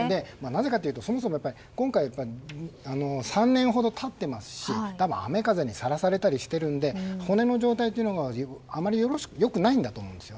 なぜかというと、そもそも今回は３年ほど経っていますし雨風にさらされたりしているので骨の状態があまり良くないんだと思います。